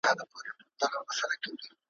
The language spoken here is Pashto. لرې الزامه! په لالي پسې مې زړه خوږیږي